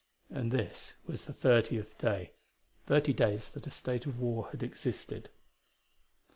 And this was the thirtieth day thirty days that a state of war had existed.